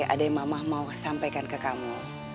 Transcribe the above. ada yang mama mau sampaikan ke kamu